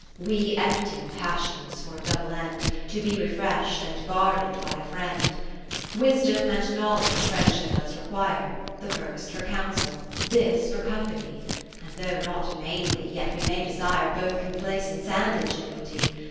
We empty passions for a double end, To be refresh'd and guarded by a friend. IX Wisdom and Knowledge Friendship does require, The first for counsel, this for company ; 50 And though not mainly, yet we may desire BothComplaisanceand Ingenuity.